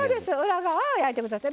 裏側を焼いて下さい。